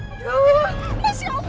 aduh masya allah